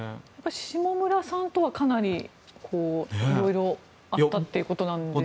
下村さんとは、かなり色々あったということですか。